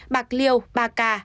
bạc liêu ba ca